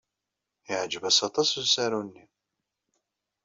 Yeɛjeb-as aṭas usaru-nni.